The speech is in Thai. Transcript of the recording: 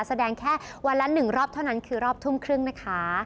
แสดงแค่วันละ๑รอบเท่านั้นคือรอบทุ่มครึ่งนะคะ